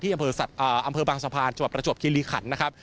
ที่อำเภอบางสะพานจบประจวบคิลิขันนะครับ